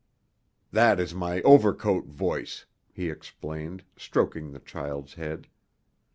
"That is my overcoat voice," he explained, stroking the child's head.